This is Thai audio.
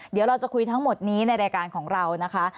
เดี๋ยวเราจะคุยทั้งหมดนี้ในรายการของเรานะคะ